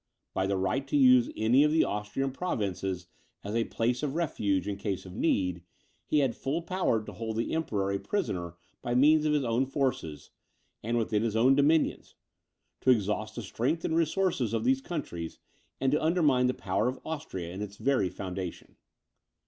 By the right to use any of the Austrian provinces as a place of refuge, in case of need, he had full power to hold the Emperor a prisoner by means of his own forces, and within his own dominions; to exhaust the strength and resources of these countries, and to undermine the power of Austria in its very foundation.